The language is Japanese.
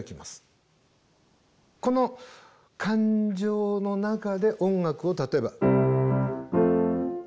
この感情の中で音楽を例えば。